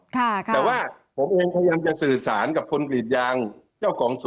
แต่ว่าผมเองพยายามจะสื่อสารกับคนกรีดยางเจ้าของสวน